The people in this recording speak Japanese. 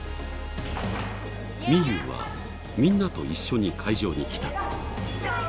みゆうはみんなと一緒に会場に来た。